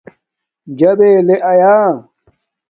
چاݵے لے یا